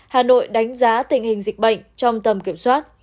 hà nội đánh giá tình hình dịch bệnh trong tầm kiểm soát